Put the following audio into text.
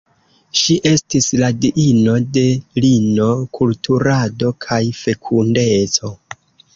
Ŝi estis la diino de lino-kulturado kaj fekundeco.